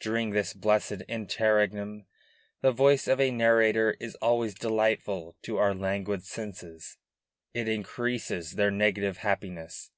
During this blessed interregnum the voice of a narrator is always delightful to our languid senses; it increases their negative happiness.